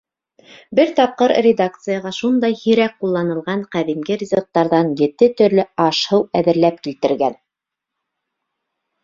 Бер тапҡыр редакцияға шундай һирәк ҡулланылған ҡәҙимге ризыҡтарҙан ете төрлө аш-һыу әҙерләп килтергән.